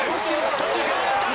左中間へ上がった！